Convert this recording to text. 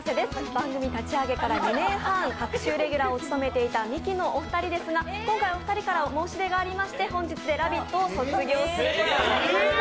番組立ち上げから２年半、隔週レギュラーを務めていたミキのお二人ですが、今回お二人から申し出がありまして本日で「ラヴィット！」を卒業することになりました。